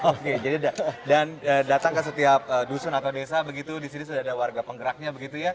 oke jadi dan datang ke setiap dusun atau desa begitu di sini sudah ada warga penggeraknya begitu ya